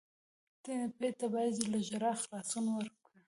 ټپي ته باید له ژړا خلاصون ورکړو.